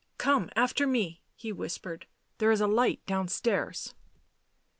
" Come after me," he whispered. " There is a light downstairs."